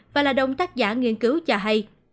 và là đồng tác giả nghiên cứu cho hay